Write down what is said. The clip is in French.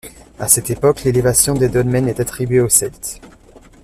À cette époque, l'élévation des dolmens est attribuée aux Celtes.